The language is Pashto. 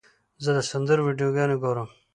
زه د سندرو ویډیوګانې ګورم.